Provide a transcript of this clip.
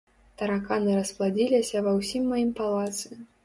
Тараканы распладзіліся ва ўсім маім палацы.